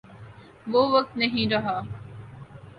وہ وقت نہیں رہا۔